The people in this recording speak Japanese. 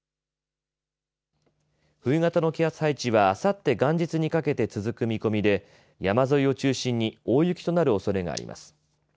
冬型の気圧配置は、あさって元日にかけて続く見込みで山沿いを中心に大雪となるおそれがあります。